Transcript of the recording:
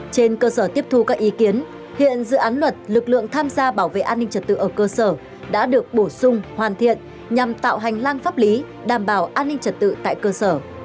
trên cơ sở tiếp thu các ý kiến hiện dự án luật lực lượng tham gia bảo vệ an ninh trật tự ở cơ sở đã được bổ sung hoàn thiện nhằm tạo hành lang pháp lý đảm bảo an ninh trật tự tại cơ sở